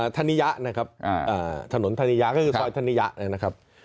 ธนิยะนะครับถนนธนียะก็คือซอยธนิยะนะครับ